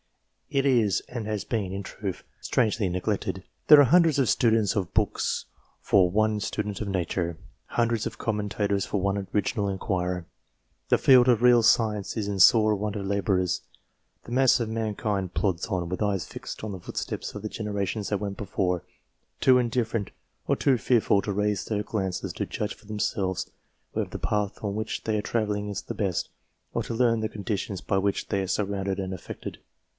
It is and has been, in truth, strangely neglected. There are hundreds of students of books for one student of nature ; hundreds of commentators for one original enquirer. The field of real science is in sore want of labourers. The mass of mankind plods on, with eyes fixed on the footsteps of the generations that went before, too indifferent or too fearful to raise their glances to judge for themselves whether the path on which they are travel ling is the best, or to learn the conditions by which they are surrounded and affected.